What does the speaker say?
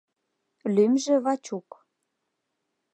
Лӱмжӧ Вачук.